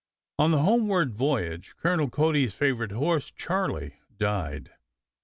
On the homeward voyage Colonel Cody's favorite horse Charlie died.